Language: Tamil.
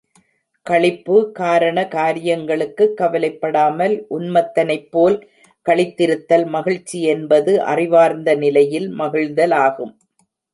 களிப்பு காரண காரியங்களுக்குக் கவலைப் படாமல் உன்மத்தனைப் போல் களித்திருத்தல், மகிழ்ச்சி, என்பது அறிவார்ந்த நிலையில் மகிழ்தலாகும்.